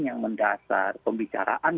yang mendasar pembicaraan